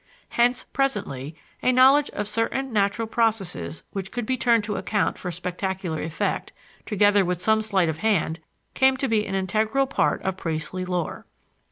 Hence, presently, a knowledge of certain natural processes which could be turned to account for spectacular effect, together with some sleight of hand, came to be an integral part of priestly lore.